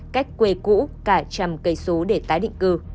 cách quê cũ cả trăm cây số để tái định cư